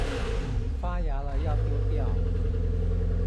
發芽了要丟掉